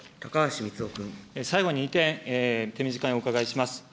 最後に１点、手短にお伺いします。